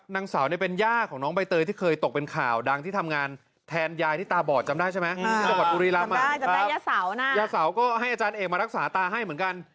ไม่มีเนอะน่าจะผู้ป่วยจริงแล้วหรือเนอะค่ะ